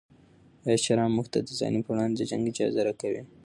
آیا شرع موږ ته د ظالم پر وړاندې د جنګ اجازه راکوي؟